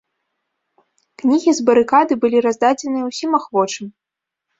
Кнігі з барыкады былі раздадзеныя ўсім ахвочым.